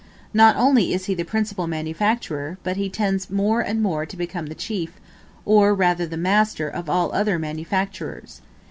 Not only is he the principal manufacturer, but he tends more and more to become the chief, or rather the master of all other manufacturers.